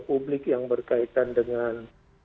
publik yang berkaitan dengan